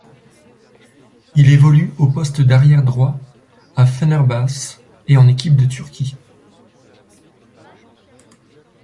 Il évolue au poste d'arrière droit à Fenerbahçe et en équipe de Turquie.